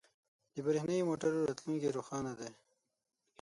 • د برېښنايی موټرو راتلونکې روښانه ده.